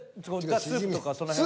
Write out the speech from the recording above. スープとかその辺は？